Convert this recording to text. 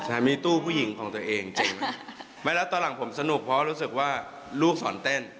ใช่มีตู้ผู้หญิงของตัวเองจริงไม่แล้วตอนหลังผมสนุกเพราะรู้สึกว่าลูกสอนเต้น